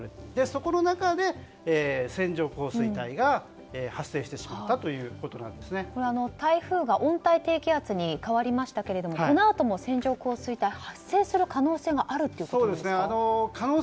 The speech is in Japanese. そこの中で線状降水帯が発生してしまった台風が温帯低気圧に変わりましたけれどもこのあとも線状降水帯が発生する可能性があるということですか。